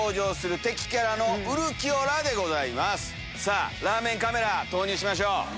ラーメンカメラ投入しましょう。